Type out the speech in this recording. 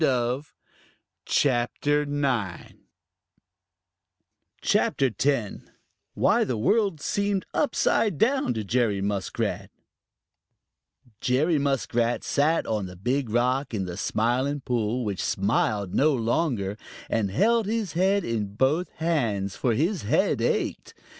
CHAPTER X: Why The World Seemed Upside Down To Jerry Muskrat Jerry Muskrat sat on the Big Rock in the Smiling Pool, which smiled no longer, and held his head in both hands, for his head ached.